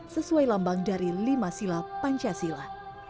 sesuai lambang dari lima sila pancasila